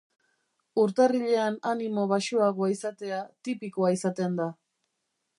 Urtarrilean animo baxuagoa izatea tipikoa izaten da.